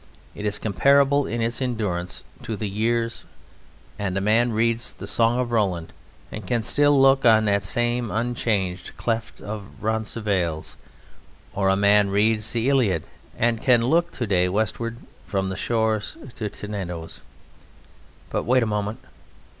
It is comparable in its endurance to the years, and a man reads the "Song of Roland" and can still look on that same unchanged Cleft of Roncesvalles, or a man reads the Iliad and can look to day westward from the shores to Tenedos. But wait a moment.